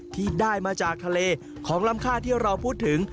ที่ได้มาจากทะเลของลำค่าที่เราพูดถึง